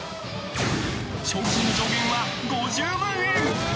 賞金の上限は５０万円。